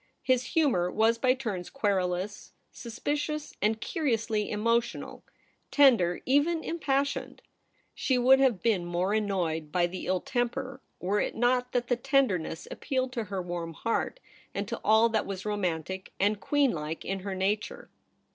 His humour was by turns querulous, suspicious, and curiously emotional — tender, even impas sioned. She would have been more annoyed by the ill temper, were it not that the tender ness appealed to her warm heart, and to all that was romantic and queen like in her nature.